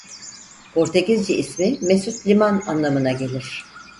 Portekizce ismi "Mesut Liman" anlamına gelir.